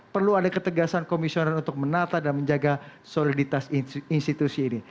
perlu ada ketegasan komisioner untuk menata dan menjaga soliditas institusi ini